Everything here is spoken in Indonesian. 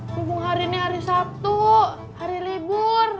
hubung hari ini hari sabtu hari libur